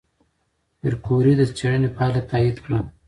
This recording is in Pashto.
پېیر کوري د څېړنې پایله تایید کړه.